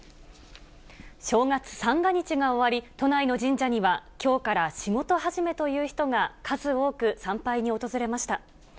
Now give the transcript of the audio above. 正月三が日が終わり、都内の神社には、きょうから仕事始めという人が数多く参拝に訪れました。